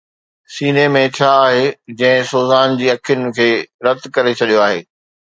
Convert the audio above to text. سيني ۾ ڇا آهي جنهن سوزان جي اکين کي رت ڪري ڇڏيو آهي؟